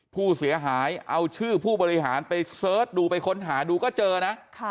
ผู้เสียหายเอาชื่อผู้บริหารไปเสิร์ชดูไปค้นหาดูก็เจอนะ